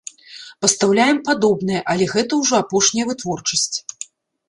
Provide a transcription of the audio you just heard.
Пастаўляем падобнае, але гэта ўжо апошняя вытворчасць.